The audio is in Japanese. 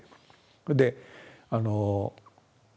それであの。